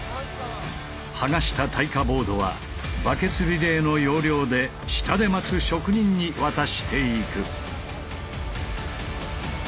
剥がした耐火ボードはバケツリレーの要領で下で待つ職人に渡していく。